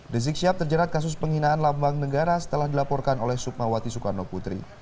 rizik syihab terjerat kasus penghinaan lambang negara setelah dilaporkan oleh sukmawati soekarno putri